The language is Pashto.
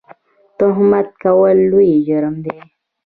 تهمت کول لوی جرم دی